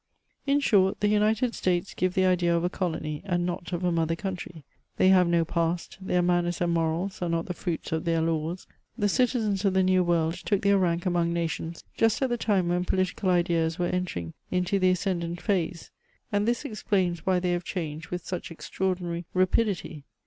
In short the United States give the idea of a colony, and not of a mother countiy ; they have no past ; their manners and morals are not the fruits of their laws. The citizens of the New World took their rank among nations just at the time when poli tical ideas were entering into the ascendant phase ; and this ex plains why they have changed with such extraordinary rapidity.